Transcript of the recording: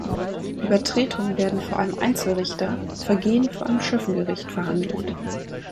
Übertretungen werden vor einem Einzelrichter, Vergehen vor einem Schöffengericht verhandelt.